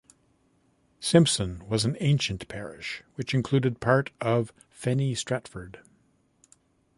Simpson was an ancient parish, which included part of Fenny Stratford.